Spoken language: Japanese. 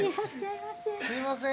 すみません。